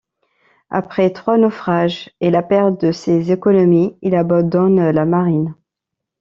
Après trois naufrages et la perte de ses économies, il abandonne la marine.